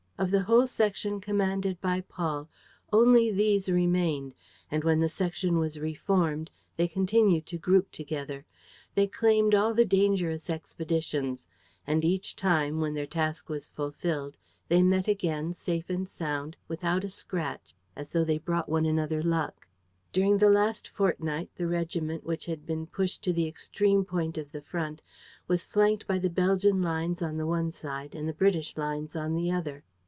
Of the whole section commanded by Paul, only these remained; and, when the section was re formed, they continued to group together. They claimed all the dangerous expeditions. And each time, when their task was fulfilled, they met again, safe and sound, without a scratch, as though they brought one another luck. During the last fortnight, the regiment, which had been pushed to the extreme point of the front, was flanked by the Belgian lines on the one side and the British lines on the other.